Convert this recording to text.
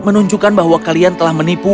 menunjukkan bahwa kalian telah menipu